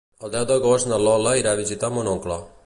El deu d'agost na Lola irà a visitar mon oncle.